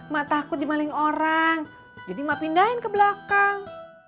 mak takut dimaling orang jadi mak pindahin ke belakang